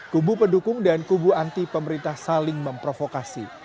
kubu pendukung dan kubu anti pemerintah saling memprovokasi